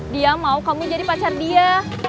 dia mau kamu jadi pacar dia